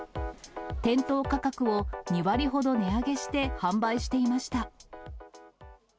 店頭価格を２割ほど値上げして販売していました。